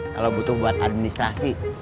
kalau butuh buat administrasi